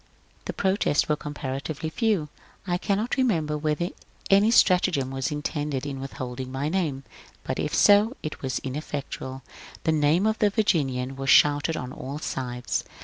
The protests were comparatively few. I cannot remember whether any stratagem was intended in withholding my name, but if so it was ineffectual ; the name of the ^ Virginian " was shouted on all sides.